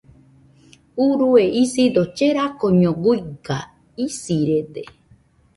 Urue isido cherakoño guiga , isirede.